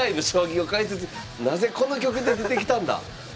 なぜこの曲で出てきたんだ！